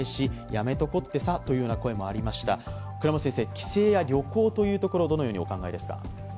帰省や旅行というところ、どのようにお考えですか？